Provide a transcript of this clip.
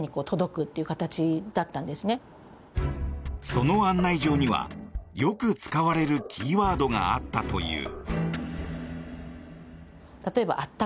その案内状にはよく使われるキーワードがあったという。